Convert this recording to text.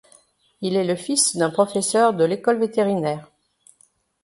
Il est le fils d’un professeur de l’école vétérinaire.